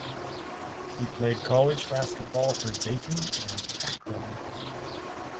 He played college basketball for Dayton and Akron.